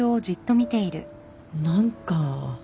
何か。